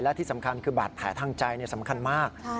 และที่สำคัญคือบาดแผลทางใจสำคัญมาก